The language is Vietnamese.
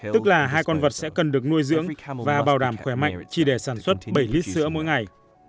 tức là hai con vật sẽ cần được nuôi dưỡng và bảo đảm khỏe mạnh chỉ để sản xuất bảy lít sữa mỗi ngày